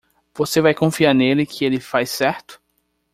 Você vai confiar nele que ele faz certo?